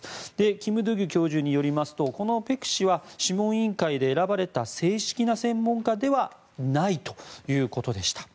キム・ドゥギュ教授によりますとこのペク氏は諮問委員会で選ばれた正式な専門家ではないということでした。